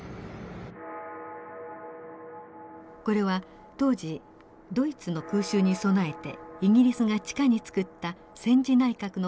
これは当時ドイツの空襲に備えてイギリスが地下に作った戦時内閣の会議室です。